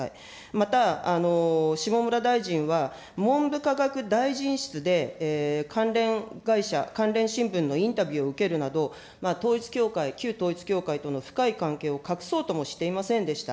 また、下村大臣は、文部科学大臣室で関連会社、関連新聞のインタビューを受けるなど、統一教会、旧統一教会との深い関係を隠そうともしていませんでした。